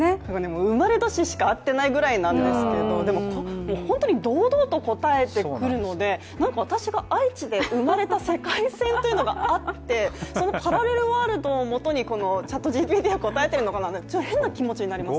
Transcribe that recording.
生まれ年しか合ってないぐらいなんですけど本当に堂々と答えてくるので私が愛知で生まれた世界線があって、そのパラレルワールドをもとにこのＣｈａｔＧＰＴは答えているのかなと変な気持ちになります。